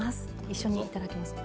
一緒にいただきます。